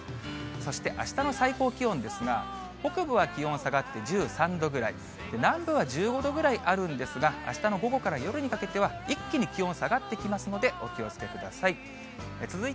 そしてあしたの最高気温ですが、北部は気温下がって１３度ぐらい、南部は１５度ぐらいあるんですが、あしたの午後から夜にかけては、一気に気温下がってきますので、お気をつけください。